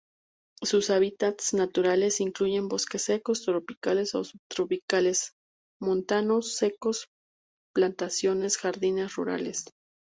Sus hábitats naturales incluyen bosques secos tropicales o subtropicales, montanos secos, plantaciones, jardines rurales.